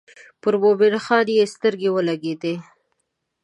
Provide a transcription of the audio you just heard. پر مومن خان یې سترګې ولګېدې.